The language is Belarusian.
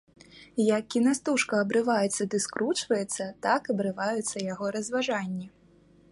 Як кінастужка абрываецца ды скручваецца, так абрываюцца яго разважанні.